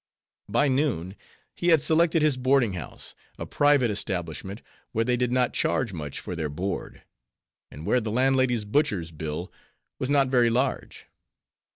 By noon he had selected his boarding house, a private establishment, where they did not charge much for their board, and where the landlady's butcher's bill was not very large.